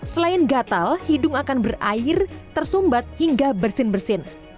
selain gatal hidung akan berair tersumbat hingga bersin bersin